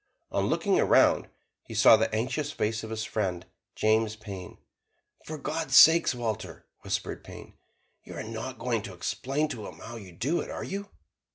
On looking around, he saw the anxious face of his friend, James Payn. "For God's sake, Walter," whispered Payn, "you are not going to explain to 'em how you do it, are you?"